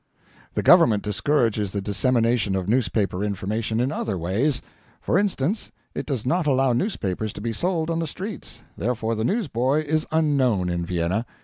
The Government discourages the dissemination of newspaper information in other ways. For instance, it does not allow newspapers to be sold on the streets: therefore the newsboy is unknown in Vienna.